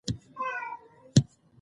ده عینکې په سترګو کړې وې.